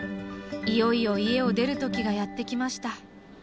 いよいよ家を出る時がやって来ました。